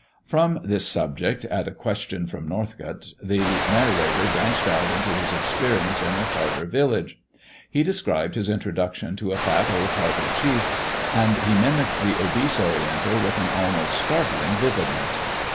From this subject, at a question from Norcott, the narrator branched out into his experience in a Tartar village. He described his introduction to a fat old Tartar chief, and he mimicked the obese Oriental with an almost startling vividness.